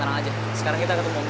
nih ada telpon